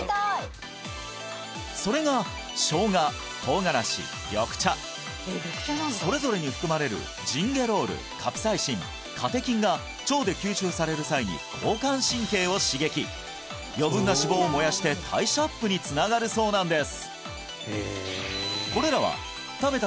それがしょうが唐辛子緑茶それぞれに含まれるジンゲロールカプサイシンカテキンが腸で吸収される際に余分な脂肪を燃やして代謝アップにつながるそうなんです